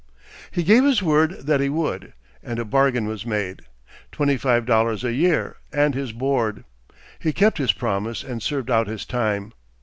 He gave his word that he would, and a bargain was made twenty five dollars a year, and his board. He kept his promise and served out his time.